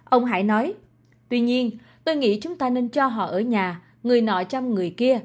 ông hải nói tuy nhiên tôi nghĩ chúng ta nên cho họ ở nhà người nọ chăm người kia